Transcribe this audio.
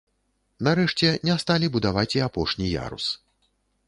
Нарэшце, не сталі будаваць і апошні ярус.